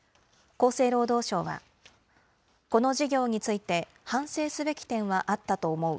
厚生労働省は、この事業について、反省すべき点はあったと思う。